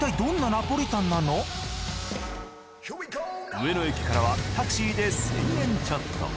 上野駅からはタクシーで１，０００円ちょっと。